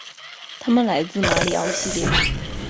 他们来自马里奥系列。